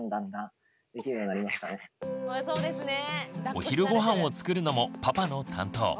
お昼ごはんを作るのもパパの担当。